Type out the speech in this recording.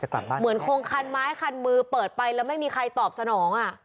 เหมือนคงคันไม้คันมือเปิดไปแล้วไม่มีใครตอบสนองอ่ะ